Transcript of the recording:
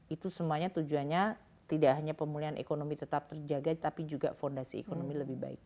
itu semuanya tujuannya tidak hanya pemulihan ekonomi tetap terjaga tapi juga fondasi ekonomi lebih baik